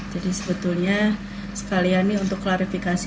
jadi sebetulnya sekalian ini untuk klarifikasi